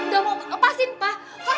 coba kamu jelasin farhan